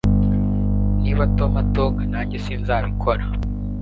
Niba Tom atoga nanjye sinzabikora